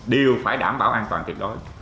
đều phải đảm bảo an toàn kịp đó